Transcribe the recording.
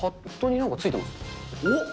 おっ！